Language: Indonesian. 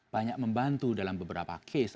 banyak membantu dalam beberapa case